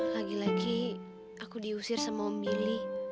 lagi lagi aku diusir sama om billy